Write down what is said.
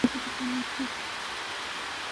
সবাই শান্ত হও।